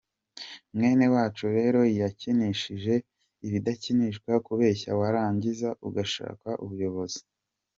Mwene wacu rero yakinishije ibidakinishwa, kubeshya warangiza ugashaka ubuyobozi.